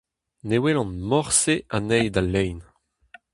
Ne welan morse anezhi da lein.